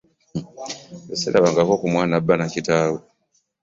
Nze Ssirabangako ku mwana abba na kitaawe.